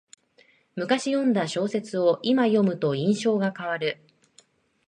むかし読んだ小説をいま読むと印象が変わる